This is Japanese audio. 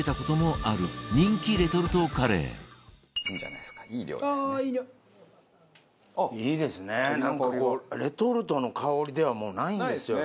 いいですねなんかこうレトルトの香りではもうないんですよね。